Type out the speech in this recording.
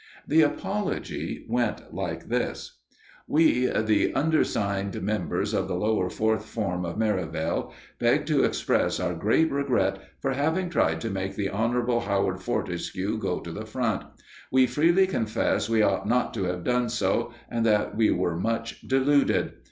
The apology went like this: We, the undersigned members of the Lower Fourth form of Merivale beg to express our great regret for having tried to make the Honourable Howard Fortescue go to the Front. We freely confess we ought not to have done so and that we were much deluded.